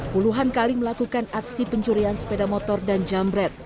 puluhan kali melakukan aksi pencurian sepeda motor dan jambret